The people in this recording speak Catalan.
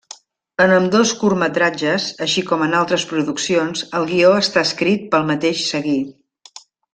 En ambdós curtmetratges, així com en altres produccions, el guió està escrit pel mateix Seguí.